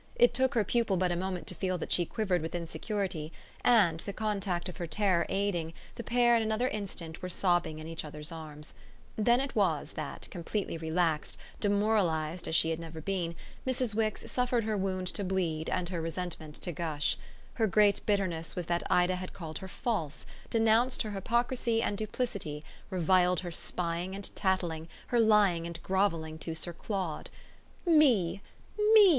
It took her pupil but a moment to feel that she quivered with insecurity, and, the contact of her terror aiding, the pair in another instant were sobbing in each other's arms. Then it was that, completely relaxed, demoralised as she had never been, Mrs. Wix suffered her wound to bleed and her resentment to gush. Her great bitterness was that Ida had called her false, denounced her hypocrisy and duplicity, reviled her spying and tattling, her lying and grovelling to Sir Claude. "Me, ME!"